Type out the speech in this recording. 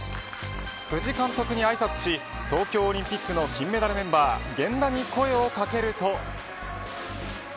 辻監督にあいさつし東京オリンピックの金メダルメンバーは源田に声をかけると。